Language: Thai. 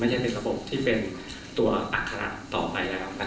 ไม่ใช่เป็นระบบที่เป็นตัวอักษระต่อไปแล้วนะครับ